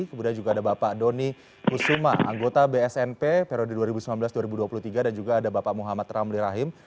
kemudian juga ada bapak doni kusuma anggota bsnp periode dua ribu sembilan belas dua ribu dua puluh tiga dan juga ada bapak muhammad ramli rahim